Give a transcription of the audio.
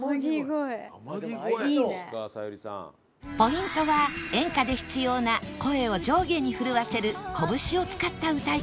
ポイントは演歌で必要な声を上下に震わせるこぶしを使った歌い方